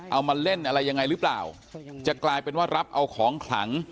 เอามาเล่นอะไรยังไงหรือเปล่าจะกลายเป็นว่ารับเอาของขลัง